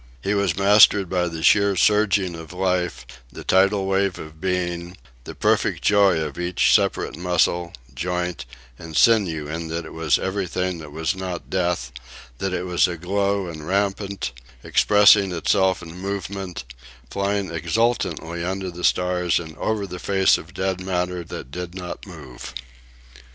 He was mastered by the sheer surging of life, the tidal wave of being, the perfect joy of each separate muscle, joint, and sinew in that it was everything that was not death, that it was aglow and rampant, expressing itself in movement, flying exultantly under the stars and over the face of dead matter that did not move.